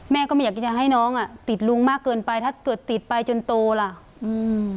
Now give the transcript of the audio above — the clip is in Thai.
ก็ไม่อยากจะให้น้องอ่ะติดลุงมากเกินไปถ้าเกิดติดไปจนโตล่ะอืม